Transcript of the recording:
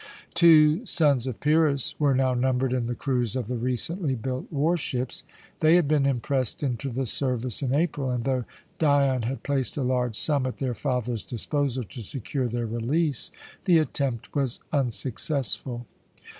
Two sons of Pyrrhus were now numbered in the crews of the recently built war ships. They had been impressed into the service in April, and though Dion had placed a large sum at their father's disposal to secure their release, the attempt was unsuccessful.